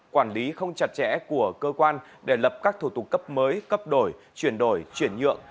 quản lý không chặt chẽ của cơ quan để lập các thủ tục cấp mới cấp đổi chuyển đổi chuyển nhượng